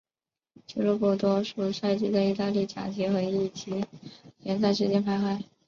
俱乐部多数赛季在意大利甲级和乙级联赛之间徘徊。